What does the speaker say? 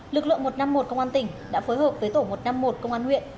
lực lượng một trăm năm mươi một công an tỉnh đã phối hợp với tổ một trăm năm mươi một công an huyện